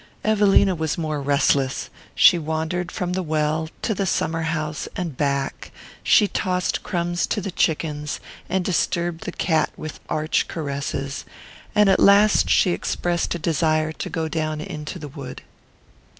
Evelina was more restless. She wandered from the well to the summer house and back, she tossed crumbs to the chickens and disturbed the cat with arch caresses; and at last she expressed a desire to go down into the wood.